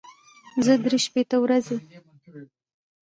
زه درې شپېته ورځې وروسته خپل امتحان لرم.